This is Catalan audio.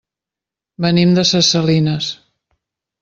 Venim de ses Salines.